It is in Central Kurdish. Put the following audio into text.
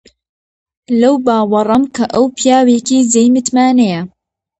لەو باوەڕەم کە ئەو پیاوێکی جێی متمانەیە.